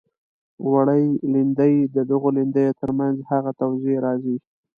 وړې لیندۍ د دغو لیندیو تر منځ هغه توضیح راځي.